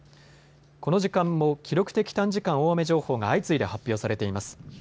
この時間も記録的短時間大雨情報が相次いで発表されています。